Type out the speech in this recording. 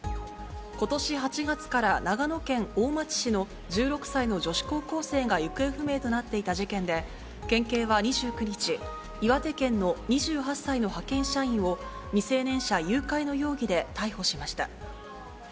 ことし８月から、長野県大町市の１６歳の女子高校生が行方不明となっていた事件で、県警は２９日、岩手県の２８歳の派遣社員を、未成年者誘拐の容疑で逮捕しました。